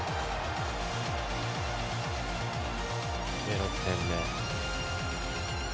６点目。